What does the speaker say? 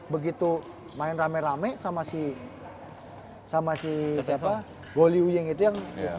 begitu main rame rame sama si goli uyeng itu yang gitu